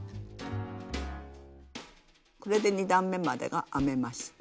これで２段めまでが編めました。